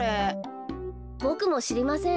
ボクもしりません。